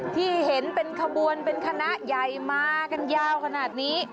ที่เห็นเป็นขบวนเป็นคณะใหญ่มากันยาวขนาดนี้